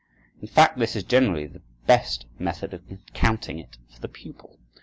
In fact, this is generally the best method of counting it for the pupil.